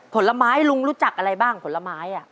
ผลไม้ลุงรู้จักอะไรบ้างผลไม้